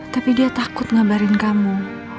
tapi dia takut ngabarin kamu